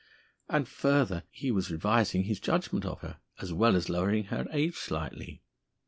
And further, he was revising his judgment of her, as well as lowering her age slightly.